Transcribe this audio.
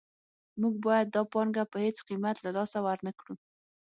موږ باید دا پانګه په هېڅ قیمت له لاسه ورنکړو